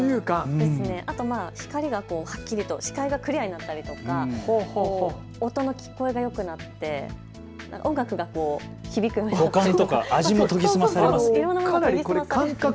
あと、光がはっきりと、視界がクリアになったりとか、音の聞こえがよくなって音楽が響くとか、五感とか味も研ぎ澄まされます。